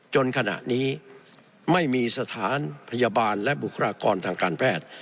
จนขณะนี้ไม่มีสถานพยาบาลและบุคลากรทางการแพทย์